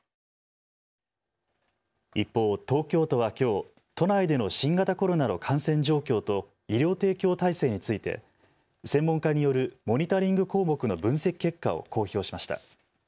一方、東京都はきょう都内での新型コロナの感染状況と医療提供体制について専門家によるモニタリング項目の分析結果を公表しました。